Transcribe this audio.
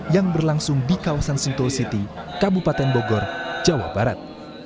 yang berlangsung di kawasan sentul city kabupaten bogor jawa barat